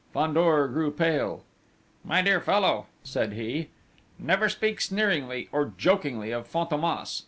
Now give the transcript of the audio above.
Fandor grew pale: "My dear fellow," said he, "never speak sneeringly or jokingly of Fantômas!...